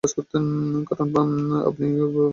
কারণ আপনি কফি নিয়ে এসে দেখেন-বাথরুমের দরজা বন্ধ।